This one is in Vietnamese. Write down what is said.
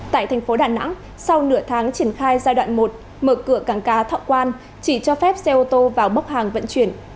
tại thành phố đà nẵng sau nửa tháng triển khai giai đoạn một mở cửa cảng cá thọ quang chỉ cho phép xe ô tô vào bốc hàng vận chuyển